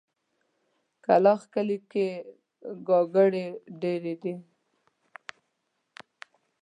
کلاخ کلي کې ګاګرې ډېرې دي.